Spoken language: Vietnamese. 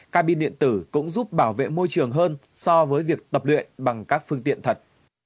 cabin điện tử cũng giúp bảo vệ môi trường hơn so với việc tập luyện bằng các phương tiện thật